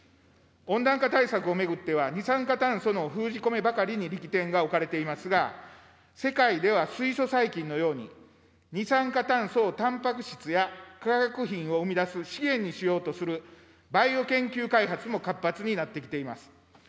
温暖化対策を巡っては、二酸化炭素の封じ込めばかりに力点が置かれていますが、世界では水素細菌のように、二酸化炭素をたんぱく質や化学品を生み出す資源にしようとするバイオ研究開発も活発になってきています。